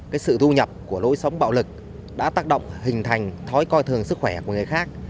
cái sự thu nhập của lối sống bạo lực đã tác động hình thành thói coi thường sức khỏe của người khác